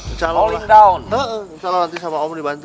insya allah nanti sama om dibantu